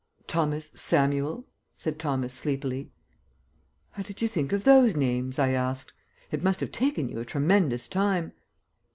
"Thomas Samuel," said Thomas sleepily. "How did you think of those names?" I asked. "It must have taken you a tremendous time."